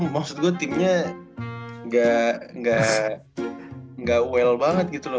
maksud gue timnya nggak well banget gitu loh